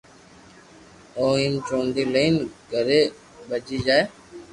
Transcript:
او ھيم چوندي لئين گھري پئچي جائين